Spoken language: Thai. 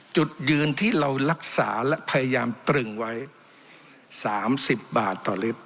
จุดยืนที่เรารักษาและพยายามตรึงไว้๓๐บาทต่อลิตร